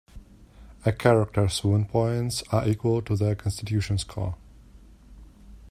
A character's Wound points are equal to their Constitution score.